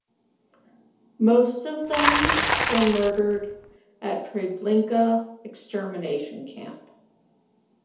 Most of them were murdered at Treblinka extermination camp.